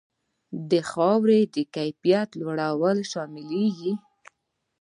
د خاورې د کیفیت لوړونه شاملیږي.